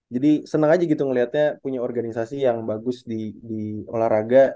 jadi senang aja gitu ngeliatnya punya organisasi yang bagus di olahraga